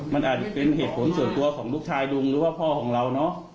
มันอาจจะเป็นเหตุผลส่วนตัวของลูกชายลุงหรือว่าพ่อของเราเนอะ